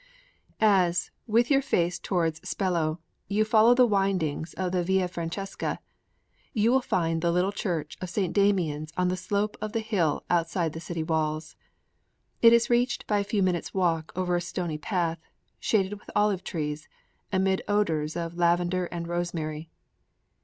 IV As, with your face towards Spello, you follow the windings of the Via Francesca, you will find the little church of St. Damian's on the slope of the hill outside the city walls. It is reached by a few minutes' walk over a stony path, shaded with olive trees, amid odors of lavender and rosemary.